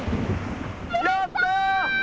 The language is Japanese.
やった！